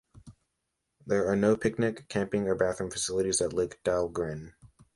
There are no picnic, camping or bathroom facilities at Lake Dahlgren.